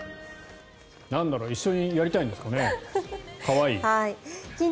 なんだろう一緒にやりたいんですかね。